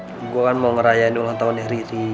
iya bener gue kan mau ngerayain ulang tahun riri